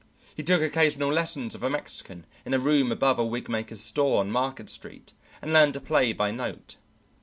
He took occasional lessons of a Mexican in a room above a wigmaker's store on Market Street, and learned to play by note.